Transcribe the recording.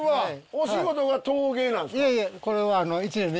お仕事が陶芸なんですか？